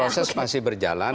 proses masih berjalan